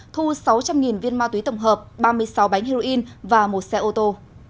thu sáu trăm linh viên ma túy tổng hợp ba mươi sáu bánh heroin và một xe ô tô